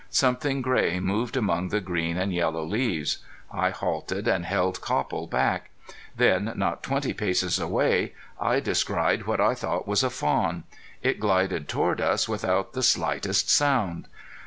Something gray moved among the green and yellow leaves. I halted, and held Copple back. Then not twenty paces away I descried what I thought was a fawn. It glided toward us without the slightest sound.